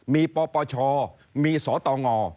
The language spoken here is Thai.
มีปปชมีสตง